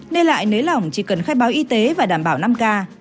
đi lại nới lỏng chỉ cần khai báo y tế và đảm bảo năm k